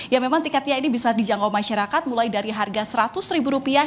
ya memang tiketnya ini bisa dijangkau masyarakat mulai dari harga seratus ribu rupiah